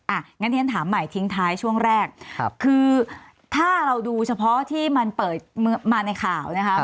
อ่ะงั้นที่ฉันถามใหม่ทิ้งท้ายช่วงแรกคือถ้าเราดูเฉพาะที่มันเปิดมาในข่าวนะคะ